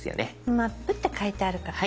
「マップ」って書いてあるから大丈夫です。